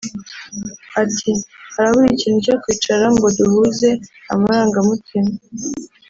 ati “Harabura ikintu cyo kwicara ngo duhuze amarangamutima